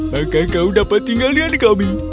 maka kau dapat tinggal lihat kami